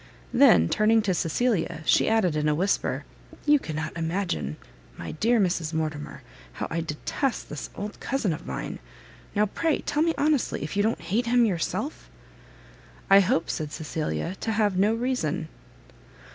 Then, turning to Cecilia, she added in a whisper, "You cannot imagine, my dear Mrs Mortimer, how I detest this old cousin of mine! Now pray tell me honestly if you don't hate him yourself?" "I hope," said Cecilia, "to have no reason."